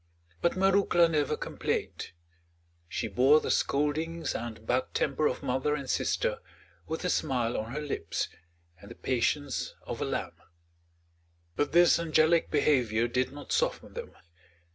But Marouckla never complained; she bore the scoldings and bad temper of mother and sister with a smile on her lips, and the patience of a lamb. But this angelic behavior did not soften them.